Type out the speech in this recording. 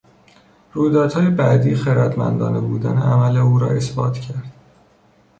رویدادهای بعدی خردمندانه بودن عمل او را اثبات کرد.